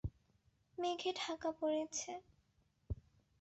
মেঘে ঢাকা পড়েছে।